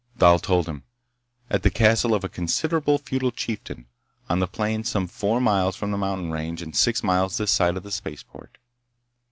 Thal told him. At the castle of a considerable feudal chieftain, on the plain some four miles from the mountain range and six miles this side of the spaceport.